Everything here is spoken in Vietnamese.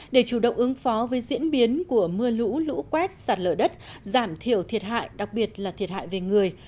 để chủ động ứng phó với diễn biến của mưa lũ lũ quét sạt lở đất giảm thiểu thiệt hại đặc biệt là thiệt hại về người